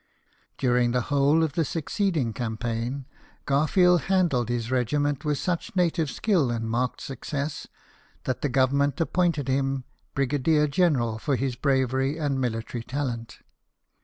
During the whole of the suc ceeding campaign Garfield handled his regi ment with such native skill and marked success that the Government appointed him Brigadier Ger eral for his bravery and military talent.